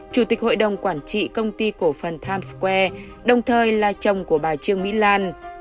chủ tịch hội đồng quản trị công ty cổ phần times square đồng thời là chồng của bà trương mỹ lan